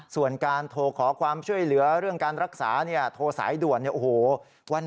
ส่วนการโทรขอความช่วยเหลือเรื่องการรักษาโทรสายด่วน